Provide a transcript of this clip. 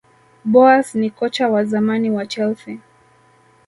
boas ni kocha wa zamani wa chelsea